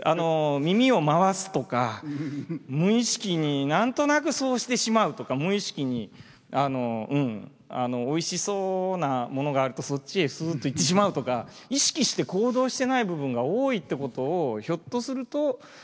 耳を回すとか無意識に何となくそうしてしまうとか無意識においしそうなものがあるとそっちへスッと行ってしまうとか意識して行動してない部分が多いってことをひょっとすると人間を見る時に大事にしないといけない。